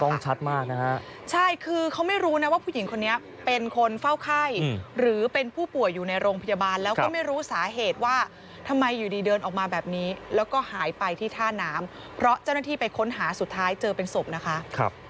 ชัดมากนะฮะใช่คือเขาไม่รู้นะว่าผู้หญิงคนนี้เป็นคนเฝ้าไข้หรือเป็นผู้ป่วยอยู่ในโรงพยาบาลแล้วก็ไม่รู้สาเหตุว่าทำไมอยู่ดีเดินออกมาแบบนี้แล้วก็หายไปที่ท่าน้ำเพราะเจ้าหน้าที่ไปค้นหาสุดท้ายเจอเป็นศพนะคะ